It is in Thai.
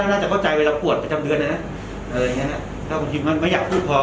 ต้องเข้าใจไปตอนกลับปวดประจำเดือนแต่บางทีที่มันไม่อยากพูดค่ะ